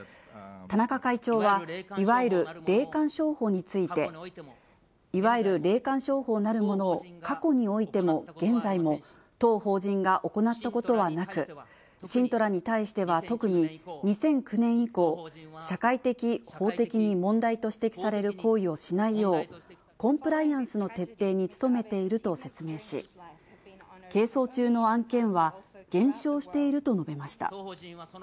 田中会長は、いわゆる霊感商法について、いわゆる霊感商法なるものを過去においても、現在も、当法人が行ったことはなく、信徒らに対しては特に２００９年以降、社会的、法的に問題と指摘される行為をしないよう、コンプライアンスの徹底に努めていると説明し、係争中の案件は、減少していると述べました。